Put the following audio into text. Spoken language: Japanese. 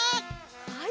はい。